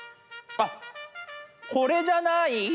あっこれじゃない？